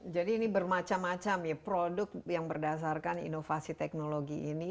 jadi ini bermacam macam ya produk yang berdasarkan inovasi teknologi ini